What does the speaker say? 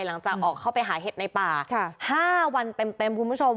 หลังจากออกเข้าไปหาเห็ดในป่า๕วันเต็มคุณผู้ชม